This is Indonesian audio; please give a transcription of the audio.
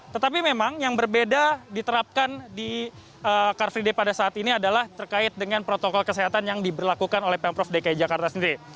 tetapi memang yang berbeda diterapkan di car free day pada saat ini adalah terkait dengan protokol kesehatan yang diberlakukan oleh pemprov dki jakarta sendiri